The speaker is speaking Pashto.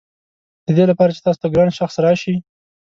ددې لپاره چې تاسو ته ګران شخص راشي.